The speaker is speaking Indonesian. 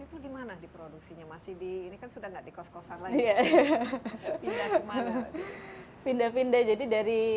itu dimana diproduksinya masih di ini kan sudah enggak di kos kosan lagi pindah pindah jadi dari